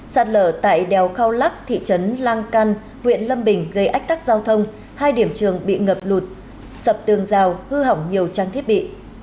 sạt lở tại đèo khao lác thị trấn lang căn huyện lâm bình gây ách tắc giao thông hai điểm trường bị ngập lụt sập tường rào hư hỏng nhiều trang thiết bị